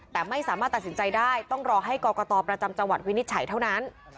แต่ไม่สามารถตัดสินใจได้ต้องรอให้กรกตประจำจังหวัดวินิจฉัยเท่านั้น